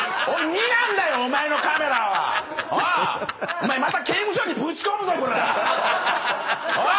お前また刑務所にぶち込むぞコラァ！